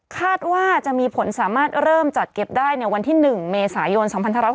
คาดว่าจะมีผลสามารถเริ่มจัดเก็บได้ในวันที่๑เมษายน๒๕๖๐